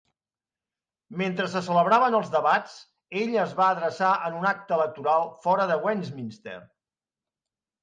Mentre se celebraven els debats, ell es va adreçar en un acte electoral fora de Westminster.